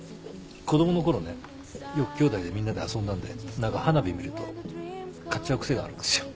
子供のころねよくきょうだいでみんなで遊んだんで何か花火見ると買っちゃう癖があるんですよ。